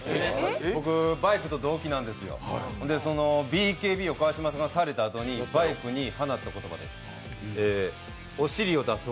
僕、バイクと同期なんですよＢＫＢを川島さんしたあとにバイクに放った言葉です。